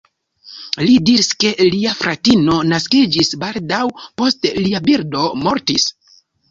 Li diris, ke lia fratino naskiĝis baldaŭ post lia birdo mortis.